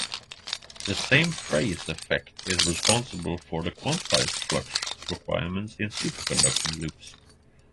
The same phase effect is responsible for the quantized-flux requirement in superconducting loops.